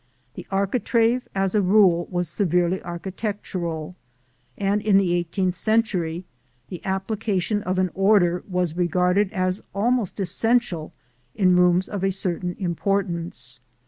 The architrave, as a rule, was severely architectural, and in the eighteenth century the application of an order was regarded as almost essential in rooms of a certain importance.